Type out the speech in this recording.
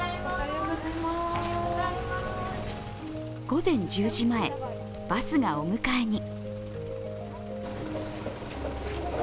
午前１０時前、バスがお迎えに。